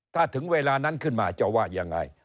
ถ้าถึงเวลานั้นขึ้นมาจะว่ายังไง